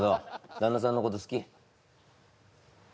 旦那さんのこと好き？